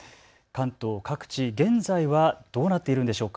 関東各地、現在はどうなっているんでしょうか。